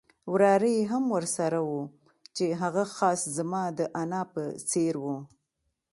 وراره یې هم ورسره وو چې هغه خاص زما د انا په څېر وو.